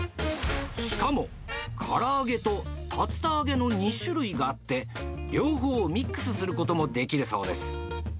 しかも、から揚げと竜田揚げの２種類があって、両方ミックスすることもできるそうです。